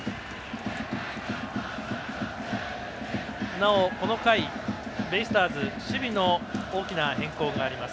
なお、この回、ベイスターズ守備の大きな変更があります。